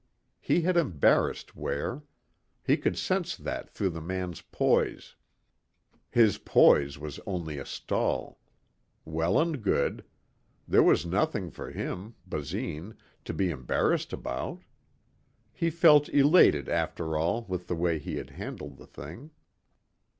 He had embarrassed Ware. He could sense that through the man's poise. His poise was only a stall. Well and good. There was nothing for him, Basine, to be embarrassed about. He felt elated after all with the way he had handled the thing.